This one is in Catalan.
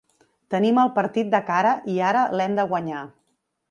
Tenim el partit de cara i ara l’hem de guanyar.